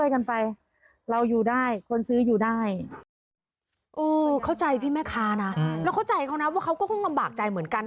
เข้าใจพี่แม่ค้านะแล้วเข้าใจเขานะว่าเขาก็คงลำบากใจเหมือนกัน